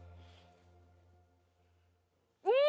うん！